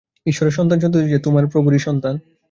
ঈশ্বরের সন্তানসন্ততি যে তোমার প্রভুরই সন্তান।